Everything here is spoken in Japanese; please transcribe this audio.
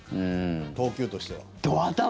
投球としては。